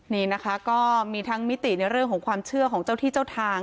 นี่นะคะก็มีทั้งมิติในเรื่องของความเชื่อของเจ้าที่เจ้าทาง